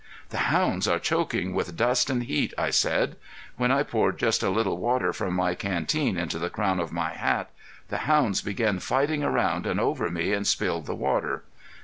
"The hounds are choking with dust and heat," I said. When I poured just a little water from my canteen into the crown of my hat, the hounds began fighting around and over me and spilled the water.